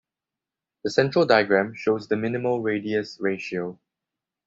The central diagram shows the minimal radius ratio.